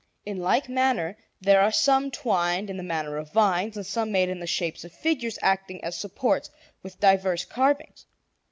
In like manner there are some twined in the manner of vines, and some made in the shape of figures acting as supports, with diverse carvings.